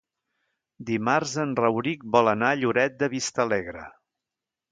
Dimarts en Rauric vol anar a Lloret de Vistalegre.